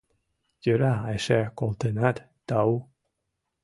Йӧра эше колтенат, тау.